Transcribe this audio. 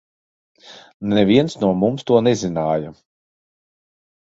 Neviens no mums to nezināja.